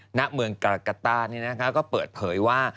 หน้าเมืองกรกฎาแล้วก็เปิดเผยว่า